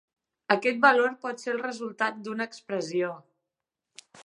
Aquest valor pot ser el resultat d'una expressió.